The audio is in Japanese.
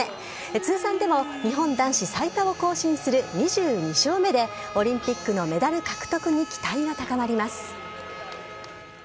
通算でも日本男子最多を更新する２２勝目で、オリンピックのメダル獲得に期待が高まります。